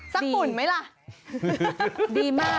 สักฝุ่นไหมละ